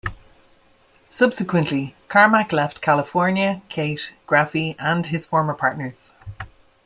Subsequently, Carmack left California, Kate, Graphie, and his former partners.